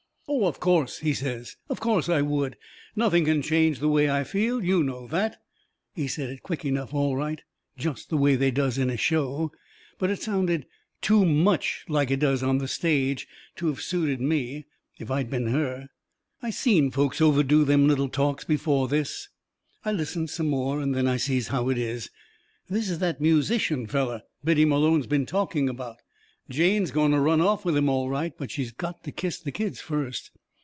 "Oh, of course," he says, "of course I would. Nothing can change the way I feel. YOU know that." He said it quick enough, all right, jest the way they does in a show, but it sounded TOO MUCH like it does on the stage to of suited me if I'D been her. I seen folks overdo them little talks before this. I listens some more, and then I sees how it is. This is that musician feller Biddy Malone's been talking about. Jane's going to run off with him all right, but she's got to kiss the kids first.